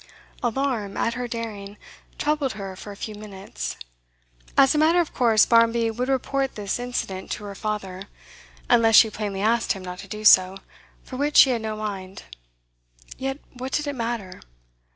Alarm at her daring troubled her for a few minutes. As a matter of course Barmby would report this incident to her father, unless she plainly asked him not to do so, for which she had no mind. Yet what did it matter?